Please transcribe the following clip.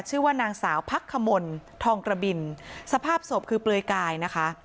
ชื่อว่านางสาวพักขมลทองกระบินสภาพศพคือเปลือยกายนะคะ